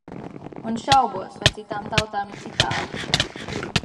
Un šaubos, vai citām tautām ir citādi.